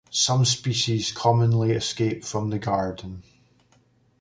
Some species commonly escape from the garden.